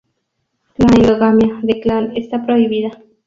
La endogamia de clan está prohibida.